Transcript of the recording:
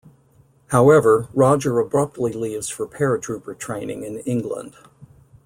However, Roger abruptly leaves for paratrooper training in England.